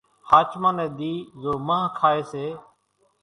ۿاچمان ني ۮي زو مانۿ کائي سي